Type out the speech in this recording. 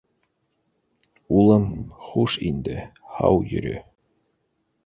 — Улым, хуш инде, һау йөрө.